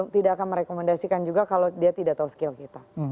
tidak akan merekomendasikan juga kalau dia tidak tahu skill kita